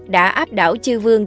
đã áp đảo chư vương